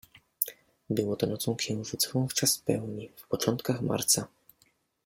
Było to nocą księżycową w czas pełni, w początkach marca.